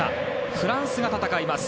フランスが戦います。